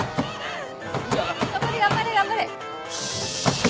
頑張れ頑張れ頑張れ。よし！